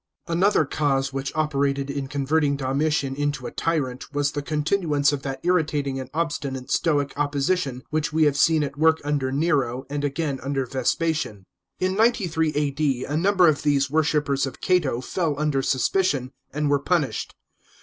§ 19. Another cause which operated in converting Domitian into a tyrant was the continuance of that irritating and obstinate Stoic opposition which we have seen at work under Nero, and again under Vespasian. In 93 A.D., a number of these worshippers of Cato fell under suspicion, and were punished.